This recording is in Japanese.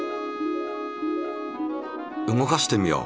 動かしてみよう。